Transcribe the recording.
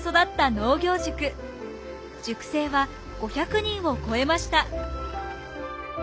塾生は５００人を超えました。